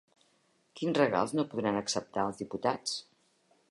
Quins regals no podran acceptar els diputats?